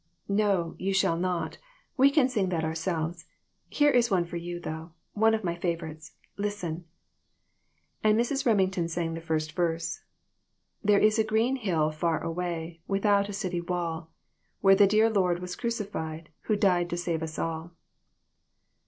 " No, you shall not. We can sing that our selves. Here is one for you, though one of my favorites. Listen." And Mrs. Remington sang the first verse " There is a green hill far away, Without a city wall ; Where the dear Lord was crucified, Who died to save us all."